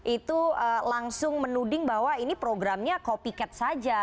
itu langsung menuding bahwa ini programnya copycat saja